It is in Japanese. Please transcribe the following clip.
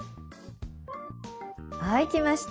はいきました。